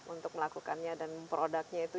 untuk melakukannya dan produknya itu